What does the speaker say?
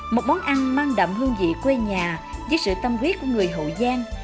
một món ăn mang đậm hương vị quê nhà với sự tâm huyết của người hậu giang